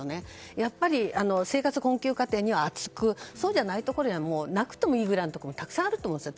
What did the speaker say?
やっぱり、生活困窮家庭には厚くそうじゃないところにはなくてもいいぐらいのところはたくさんあると思うんですよね